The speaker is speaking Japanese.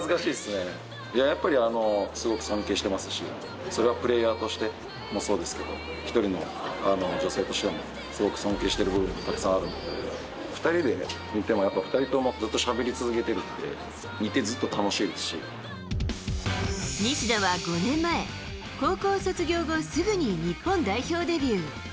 やっぱり、すごく尊敬してますし、それはプレーヤーとしてもそうですけど、１人の女性としてもすごく尊敬してる部分もたくさんあるんで、２人でいてもやっぱ２人ともずっとしゃべり続けているので、西田は５年前、高校卒業後すぐに日本代表デビュー。